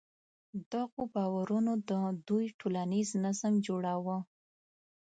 دغو باورونو د دوی ټولنیز نظم جوړاوه.